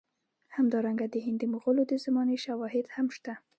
همدارنګه د هند د مغولو د زمانې شواهد هم شته.